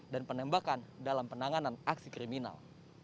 dan penembakan dalam penanganan aksi kriminal